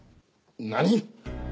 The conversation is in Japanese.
何！？